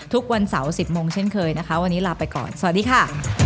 ทุกวันเสาร์๑๐โมงเช่นเคยนะคะวันนี้ลาไปก่อนสวัสดีค่ะ